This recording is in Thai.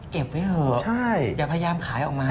เก็บไว้เหอะอย่าพยายามขายออกมานะครับใช่